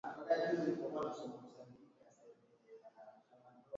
Lakini Brig Ekenge amesema katika taarifa kwamba “wana taarifa za kuaminika sana